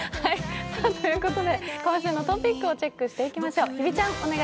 今週のトピックをチェックしていきましょう。